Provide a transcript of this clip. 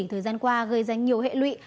thời gian qua gây ra nhiều hệ lụy